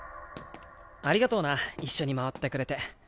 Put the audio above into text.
ありがとうな一緒に回ってくれて。